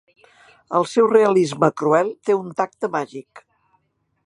El seu realisme cruel té un tacte màgic.